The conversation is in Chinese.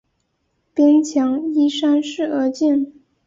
边墙依山势而建。